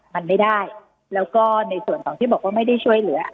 มันไม่ได้แล้วก็ในส่วนของที่บอกว่าไม่ได้ช่วยเหลือ